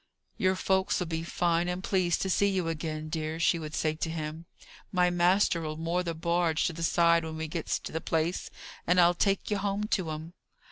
"Your folks'll be fine and pleased to see you again, dear," she would say to him. "My master'll moor the barge to the side when we gets to the place, and I'll take ye home to 'um."